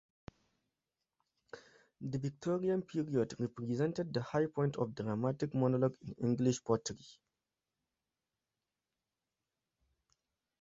The Victorian period represented the high point of the dramatic monologue in English poetry.